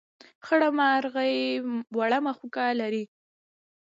خړه مرغۍ وړه مښوکه لري.